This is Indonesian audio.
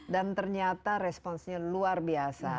dan ternyata responsnya luar biasa